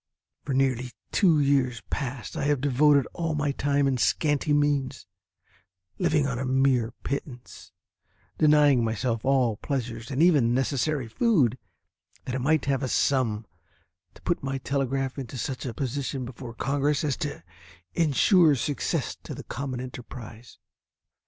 For nearly two years past I have devoted all my time and scanty means, living on a mere pittance, denying myself all pleasures and even necessary food, that I might have a sum, to put my telegraph into such a position before Congress as to insure success to the common enterprise.